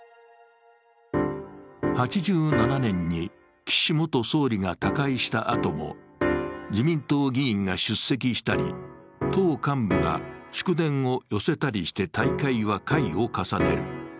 ８７年に岸元総理が他界したあとも自民党議員が出席したり、党幹部が祝電を寄せたりして大会は回を重ねる。